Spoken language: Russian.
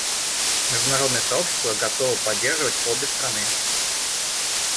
Международное сообщество готово поддерживать обе страны.